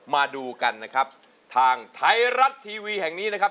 มาดูกันนะครับทางไทยรัฐทีวีแห่งนี้นะครับ